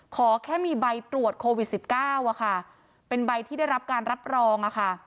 ขอแค่มีใบตรวจโควิด๑๙เป็นใบที่ได้รับการรับรองอะค่ะ